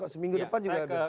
seminggu depan juga bisa kelar